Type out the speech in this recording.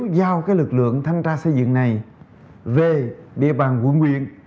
thì chúng ta sẽ có thể giao lực lượng thanh tra xây dựng này về địa bàn quận huyện